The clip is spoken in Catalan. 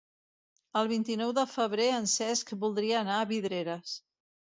El vint-i-nou de febrer en Cesc voldria anar a Vidreres.